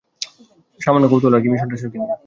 তবে, সামান্য কৌতুহল আরকি, মিশনটা আসলে কী নিয়ে?